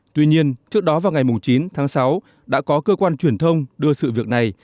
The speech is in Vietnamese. tuy nhiên trước đó vào ngày chín tháng sáu đã có cơ quan truyền thông đưa sự việc này